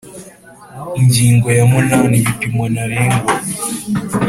Ingingo ya munani Ibipimo ntarengwa